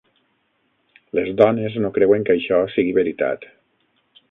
Les dones no creuen que això sigui veritat.